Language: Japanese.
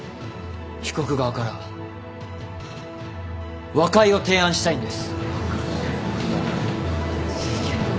被告側から和解を提案したいんです。